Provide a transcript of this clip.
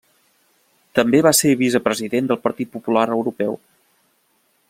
També va ser vicepresident del Partit Popular Europeu.